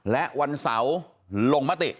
และวันเสาร์ลงมติ